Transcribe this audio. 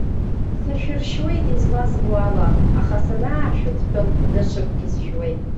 Сашәыршьуеит, излазбо ала, аха, санаашәыдтәал, даҽакгьы зжәуеит.